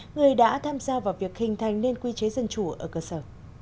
người đã tham gia vào việc hình thành nên quy chế dân chủ ở cơ sở